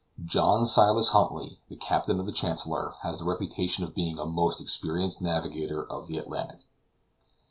John Silas Huntly, the captain of the Chancellor, has the reputation of being a most experienced navigator of the Atlantic.